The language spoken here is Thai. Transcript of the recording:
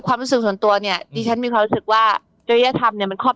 ความรู้สึกส่วนตัวเนี่ยดิฉันมีความรู้สึกว่าจริยธรรมเนี่ยมันครอบ